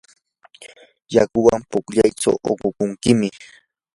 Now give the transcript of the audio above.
yakuwan pukllaytsu uqukunkim.